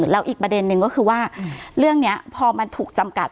แล้วอีกประเด็นนึงก็คือว่าเรื่องนี้พอมันถูกจำกัด